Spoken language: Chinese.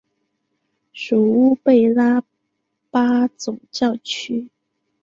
属乌贝拉巴总教区。